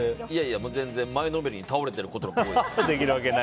全然前のめりに倒れていることが多いです。